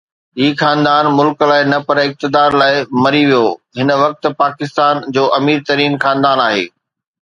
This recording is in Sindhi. هي خاندان ملڪ لاءِ نه پر اقتدار لاءِ مري ويو، هن وقت پاڪستان جو امير ترين خاندان آهي